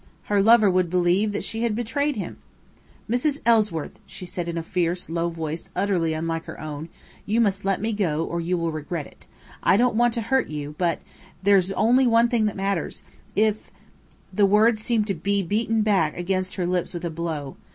Her lover would believe that she had betrayed him! "Mrs. Ellsworth," she said in a fierce, low voice utterly unlike her own, "you must let me go, or you will regret it. I don't want to hurt you, but there's only one thing that matters. If " The words seemed to be beaten back against her lips with a blow.